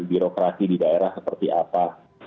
birokrasi di daerah seperti apa